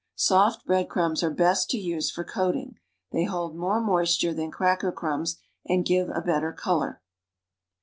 Soft bread crumbs are best to use for coating. They hold more moisture than cracker criunbs and give a better color.